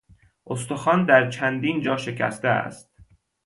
استخوان در چندین جا شکسته است.